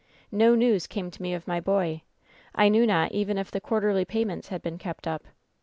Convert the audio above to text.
^0 news came to me of my boy. I knew not even if the quarterly payments had been kept up.